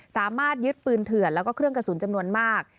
สามารถยึดปืนเถื่อนแล้วก็เครื่องกระสุนจำนวนมาก